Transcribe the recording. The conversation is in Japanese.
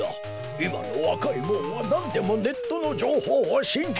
今の若いもんは何でもネットの情報を信じよる。